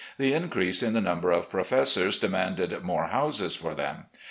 The increase in the number of professors demanded more houses for them.